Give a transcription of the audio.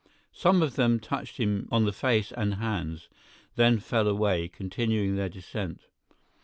Some of them touched him on the face and hands, then fell away, continuing their descent.